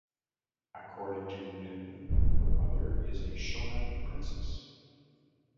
According to Newton, her mother is a Shona princess.